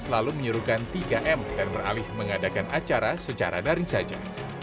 selalu menyuruhkan tiga m dan beralih mengadakan acara secara daring saja